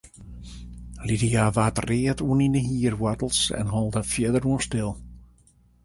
Lydia waard read oant yn de hierwoartels en hold har fierdersoan stil.